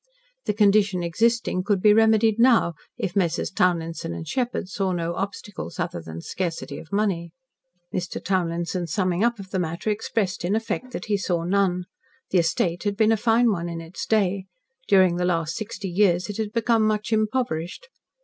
The condition existing could be remedied now, if Messrs. Townlinson & Sheppard saw no obstacles other than scarcity of money. Mr. Townlinson's summing up of the matter expressed in effect that he saw none. The estate had been a fine one in its day. During the last sixty years it had become much impoverished.